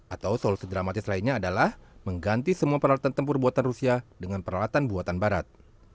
atau solusi dramatis lainnya adalah mengganti semua peralatan tempur buatan rusia dengan peralatan buatan barat